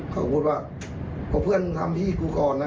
เขาก็พูดว่าพอเพื่อนทำพี่กูก่อนนะ